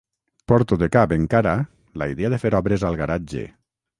Porto de cap encara la idea de fer obres al garatge.